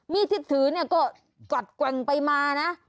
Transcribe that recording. มีดที่ถือก็กัดกว่างไปมานะ